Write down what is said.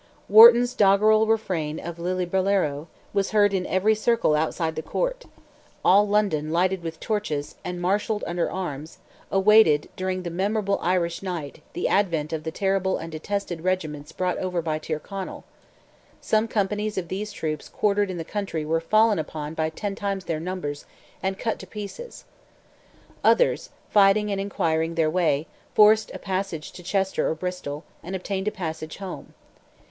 Wharton's doggerel refrain of Lillibullero, was heard in every circle outside the court; all London, lighted with torches, and marshalled under arms, awaited during the memorable "Irish night" the advent of the terrible and detested regiments brought over by Tyrconnell; some companies of these troops quartered in the country were fallen upon by ten times their numbers, and cut to pieces. Others, fighting and inquiring their way, forced a passage to Chester or Bristol, and obtained a passage home.